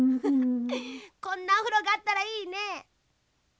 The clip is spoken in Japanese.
こんなおふろがあったらいいね。